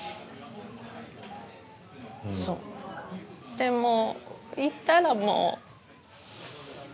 でも行ったらもう。